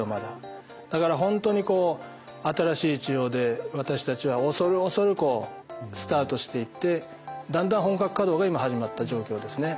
だからほんとにこう新しい治療で私たちは恐る恐るスタートしていってだんだん本格稼働が今始まった状況ですね。